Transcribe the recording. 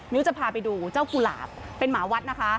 จะพาไปดูเจ้ากุหลาบเป็นหมาวัดนะคะ